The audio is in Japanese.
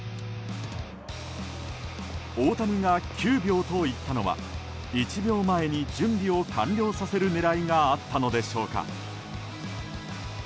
大谷が９秒と言ったのは１秒前に準備を完了させる狙いがあったのでしょうか。